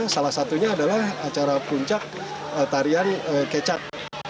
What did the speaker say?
salah satunya adalah acara puncak tarian kecap